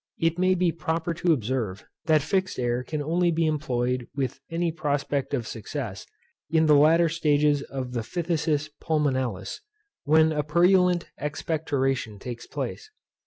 It may be proper to observe that fixed air can only be employed with any prospect of success, in the latter stages of the phthisis pulmonalis, when a purulent expectoration takes place.